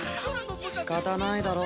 しかたないだろ？